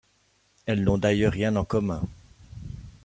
Elles n'ont d'ailleurs rien en commun.